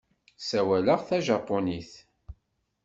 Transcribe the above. Ssawaleɣ tajapunit.